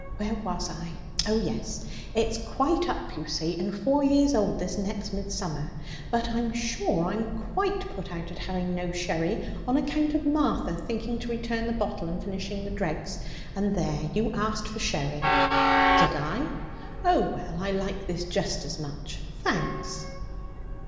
Where was I? Oh yes, It's quite up, you see, and four years old this next midsummer. But I'm sure I'm quite put out at having no sherry, on account of Martha thinking to return the bottle and finishing the dregs. And there, you asked for sherry!' 'Did I? Oh, well, I like this just as much, thanks.'